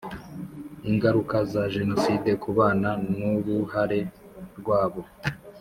Ingaruka za Jenoside ku bana n uruhare rwabo